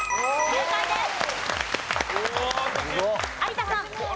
正解です。